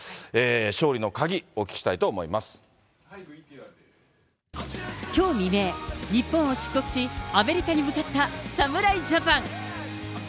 勝利の鍵をお聞きしたいと思いまきょう未明、日本を出国し、アメリカに向かった侍ジャパン。